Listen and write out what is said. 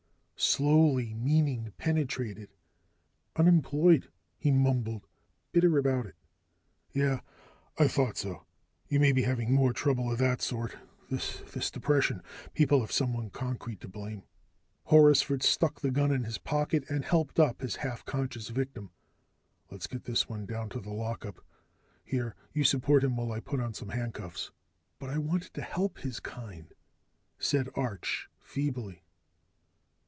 Slowly, meaning penetrated. "Unemployed " he mumbled. "Bitter about it " "Yeah. I thought so. You may be having more trouble of that sort. This depression, people have someone concrete to blame." Horrisford stuck the gun in his pocket and helped up his half conscious victim. "Let's get this one down to the lockup. Here, you support him while I put on some handcuffs." "But I wanted to help his kind," said Arch feebly.